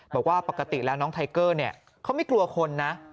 บอกว่าปกติแล้วน้องไทเกอร์เขาไม่กลัวคนนะ